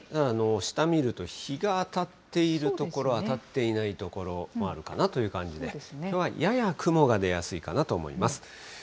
下見ると、日が当たっている所、当たっていない所もあるかなという感じで、きょうはやや雲が出やすいかなと思います。